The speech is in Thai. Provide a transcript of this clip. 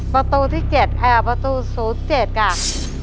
ประตูที่๗ค่ะประตู๐๗ค่ะ